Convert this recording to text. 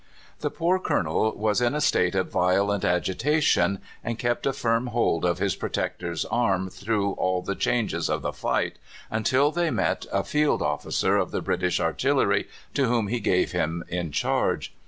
The poor Colonel was in a state of violent agitation, and kept a firm hold of his protector's arm through all the changes of the fight, until they met a field officer of the British artillery, to whom he gave him in charge.